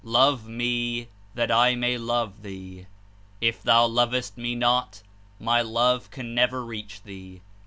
Love Me that I may love thee. If thou lovest Me not, my Love can never reach thee.